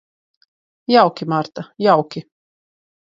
Jauki, Marta, jauki.